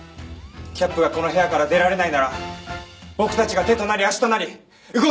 キャップがこの部屋から出られないなら僕たちが手となり足となり動きます！